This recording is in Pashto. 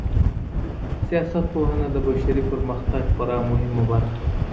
سياست پوهنه د بشري پرمختګ خورا مهمه برخه ده.